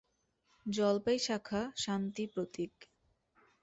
জলপাই শাখা শান্তি প্রতীক।